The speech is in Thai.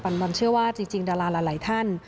บอลเชื่อว่าจริงดาราหลายท่าน